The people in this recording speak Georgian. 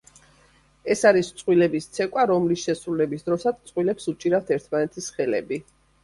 ეს არის წყვილების ცეკვა რომლის შესრულების დროსაც წყვილებს უჭირავთ ერთმანეთის ხელები.